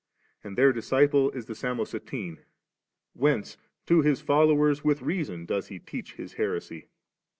and thdr disciple is the Samosatene; whence to his followers with reason does he teach his heresy.